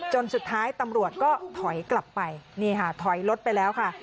จนสุดท้ายตำรวจก็ถอยกลับไปนี่ค่ะถอยรถไปแล้วค่ะ